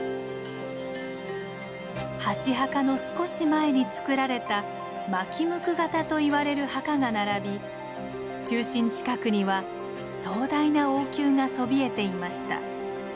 箸墓の少し前につくられた「纒向型」と言われる墓が並び中心近くには壮大な王宮がそびえていました。